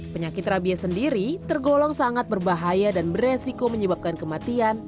penyakit rabies sendiri tergolong sangat berbahaya dan beresiko menyebabkan kematian